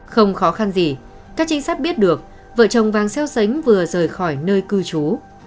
không khó khăn gì các trinh sát biết được vợ chồng vàng xeo xánh vừa rời khỏi nơi cư trú